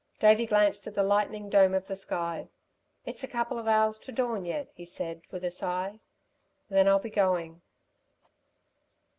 Davey glanced at the lightening dome of the sky. "It's a couple of hours to dawn yet," he said, with a sigh. "Then I'll be going."